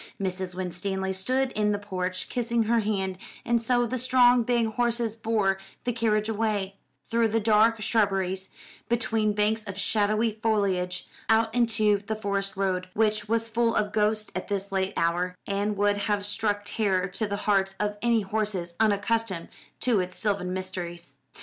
Mrs. Winstanley stood in the porch, kissing her hand; and so the strong big horses bore the carriage away, through the dark shrubberies, between banks of shadowy foliage, out into the forest road, which was full of ghosts at this late hour, and would have struck terror to the hearts of any horses unaccustomed to its sylvan mysteries.